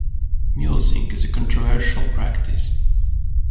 Mulesing is a controversial practice.